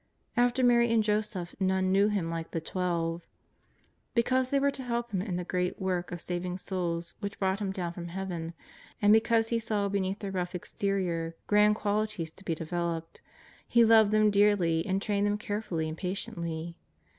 After Mary and Joseph none knew Him like the Twelve. Because they were to help Him in the great work of saving souls which brought Him down from Hea ven, and because He saw beneath their rough exte« rior grand qualities to be developed, He loved them dearly and trained them carefully and patiently.